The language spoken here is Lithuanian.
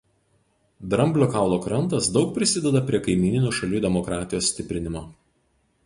Dramblio Kaulo Krantas daug prisideda prie kaimyninių šalių demokratijos stiprinimo.